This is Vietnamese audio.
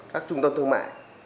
các trung tâm thương mại